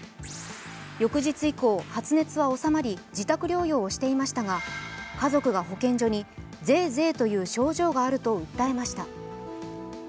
翌日以降、発熱は治まり自宅療養していましたが家族が保健所に、ぜえぜえという症状があると訴えました。